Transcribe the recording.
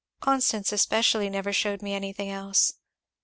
Constance especially never shewed me anything else.